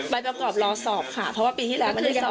ประกอบรอสอบค่ะเพราะว่าปีที่แล้วไม่ได้สอบ